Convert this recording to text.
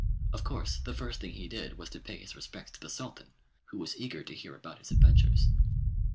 Of course the first thing he did was to pay his respects to the Sultan, who was eager to hear about his adventures.